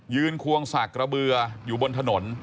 ควงสากระเบืออยู่บนถนน